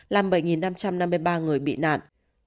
làm bảy năm trăm năm mươi ba người bị nạn